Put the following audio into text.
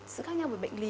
sự khác nhau về bệnh lý